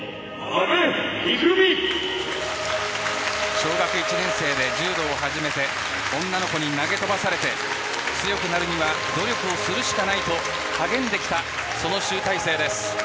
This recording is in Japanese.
小学１年生で柔道を始めて女の子に投げ飛ばされて強くなるには努力をするしかないと励んできた、その集大成です。